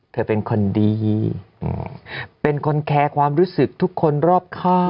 เธอเป็นคนดีเป็นคนแคร์ความรู้สึกทุกคนรอบข้าง